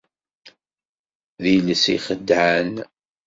D iles ixeddɛen!